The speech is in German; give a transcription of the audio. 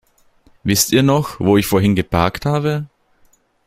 Wisst ihr noch, wo ich vorhin geparkt habe?